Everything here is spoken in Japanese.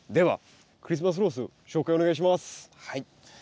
はい。